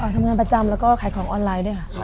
ทำงานประจำแล้วก็ขายของออนไลน์ด้วยค่ะ